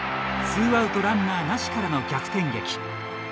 ツーアウトランナーなしからの逆転劇。